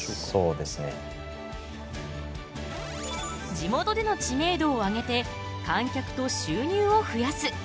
地元での知名度をあげて観客と収入を増やす。